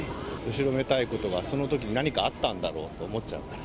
後ろめたいことが、そのとき何があったんだろうと思っちゃうから。